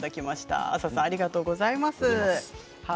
あささんありがとうございました。